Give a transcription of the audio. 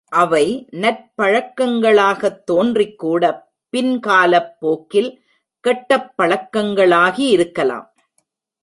அவை நற்பழக்கங் களாகத் தோன்றிக்கூடப் பின் காலப் போக்கில் கெட்டப் பழக்கங்களாகியிருக்கலாம்.